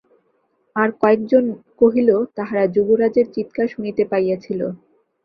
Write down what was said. আর-কয়েকজন কহিল, তাহারা যুবরাজের চীৎকার শুনিতে পাইয়াছিল।